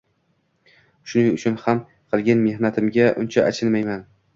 Shuning uchun ham qilgan mehnatimga uncha achinmayman.